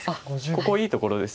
ここいいところです。